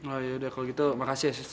oh ya udah kalau gitu makasih ya sis ya